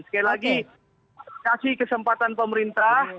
sekali lagi kasih kesempatan pemerintah